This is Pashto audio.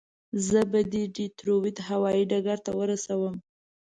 زه به دې ډیترویت هوایي ډګر ته ورسوم.